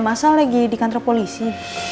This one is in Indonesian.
mas al lagi di kantor polisi